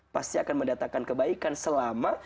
pasti akan mendatangkan kebaikan selama